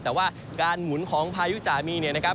แต่ว่าการหมุนของพายุจามีเนี่ยนะครับ